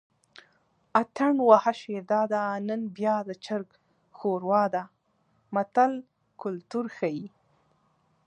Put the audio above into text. اتڼ وهه شیرداده نن بیا د چرګ ښوروا ده متل کولتور ښيي